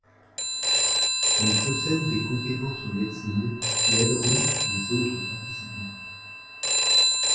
Elle possède des compétences en médecine qui aideront les autres participants.